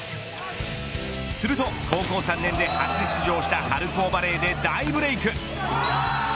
すると高校３年で初出場した春高バレーで大ブレーク。